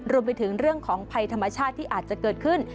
รวมไปถึงเรื่องของภัยธรรมชาติที่อาจจะเกิดขึ้น